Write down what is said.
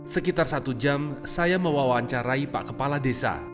sekitar satu jam saya mewawancarai pak kepala desa